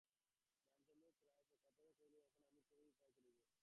রামচন্দ্র রায় সকাতরে কহিলেন, এখন আমি কী উপায় করিব?